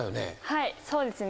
はいそうですね。